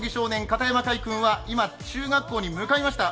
片山魁君は今、中学校に向かいました。